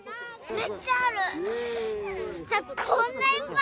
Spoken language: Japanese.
めっちゃある。